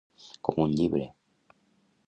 Com un llibre.